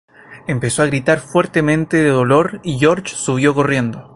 Empezó a gritar fuertemente de dolor y George subió corriendo.